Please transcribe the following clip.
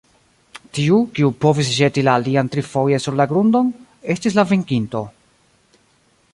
Tiu, kiu povis ĵeti la alian trifoje sur la grundon, estis la venkinto.